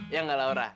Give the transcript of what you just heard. ya nggak laura